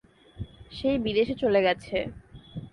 সে বিদেশ চলে গেছে।